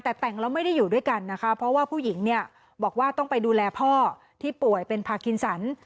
แต่แต่งแล้วไม่ได้อยู่ด้วยกันนะคะเพราะว่าผู้หญิงเนี่ยบอกว่าต้องไปดูแลพ่อที่ป่วยเป็นพากินสัน